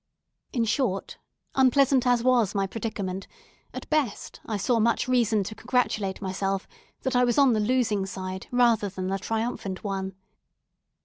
In short, unpleasant as was my predicament, at best, I saw much reason to congratulate myself that I was on the losing side rather than the triumphant one.